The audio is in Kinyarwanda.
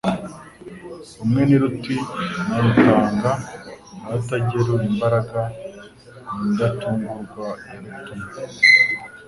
Umwe ni Ruti na Rutanga na Rutagerura imbaraga, Ni indatungurwa ya Rutuma